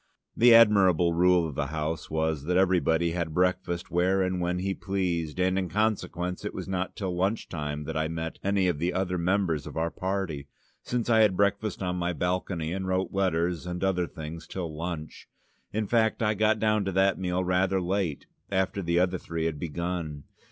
The admirable rule of the house was that everybody had breakfast where and when he pleased, and in consequence it was not till lunch time that I met any of the other members of our party, since I had breakfast on my balcony, and wrote letters and other things till lunch. In fact, I got down to that meal rather late, after the other three had begun.